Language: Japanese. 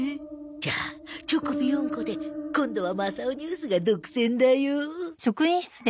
じゃあチョコビ４個で今度は『マサオニュース』が独占だよ。